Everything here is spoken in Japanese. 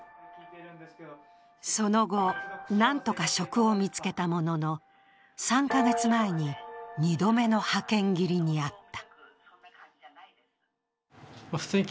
その後、何とか職を見つけたものの３カ月前に２度目の派遣切りに遭った。